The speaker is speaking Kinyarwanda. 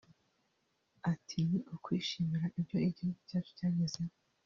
Ati “Ni ukwishimira ibyo igihugu cyacu cyagezeho